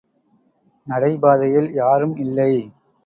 நடைபாதையில் யாரும் இல்லை.